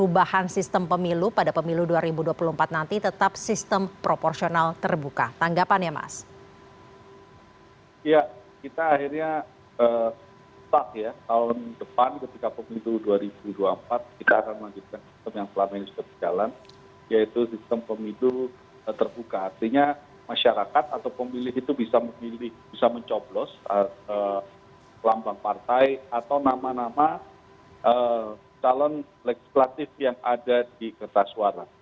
bisa mencoblos lambang partai atau nama nama calon legislatif yang ada di kertas suara